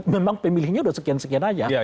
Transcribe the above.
memang pemilihnya udah sekian sekian aja